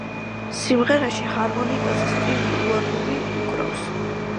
სიმღერაში ჰარმონიკაზე სტივი უანდერი უკრავს.